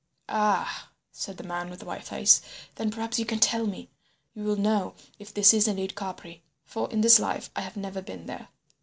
"Ah!" said the man with the white face; "then perhaps you can tell me—you will know if this is indeed Capri. For in this life I have never been there.